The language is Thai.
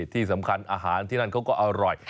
ที่สำคัญอาหารที่นั่นเขาก็อร่อย